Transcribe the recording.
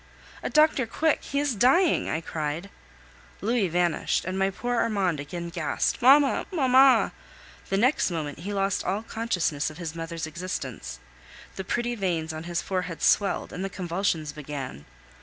"A doctor! quick!... he is dying," I cried. Louis vanished, and my poor Armand again gasped, "Mamma! Mamma!" The next moment he lost all consciousness of his mother's existence. The pretty veins on his forehead swelled, and the convulsions began.